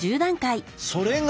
それが。